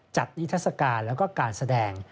จัดนิทรศการและการแสดง